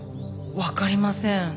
わかりません。